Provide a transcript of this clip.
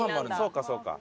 そうかそうか。